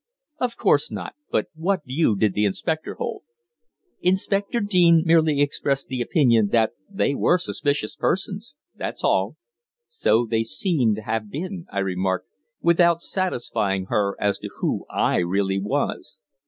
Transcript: "Of course not. But what view did the inspector hold?" "Inspector Deane merely expressed the opinion that they were suspicious persons that's all." "So they seem to have been," I remarked, without satisfying her as to who I really was.